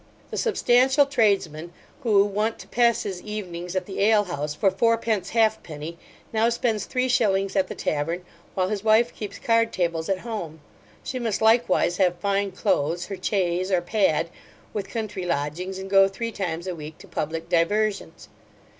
The substantial tradesman, who wont to pass his evenings at the ale house for fourpence half penny, now spends three shillings at the tavern, while his wife keeps card tables at home; she must likewise have fine clothes, her chaise, or pad, with country lodgings, and go three times a week to public diversions.